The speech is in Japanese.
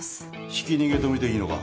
ひき逃げとみていいのか？